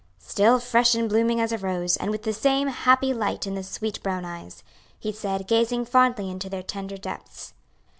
"Still fresh and blooming as a rose, and with the same happy light in the sweet brown eyes," he said, gazing fondly into their tender depths.